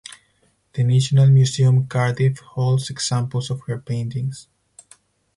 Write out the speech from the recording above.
The National Museum Cardiff holds examples of her paintings.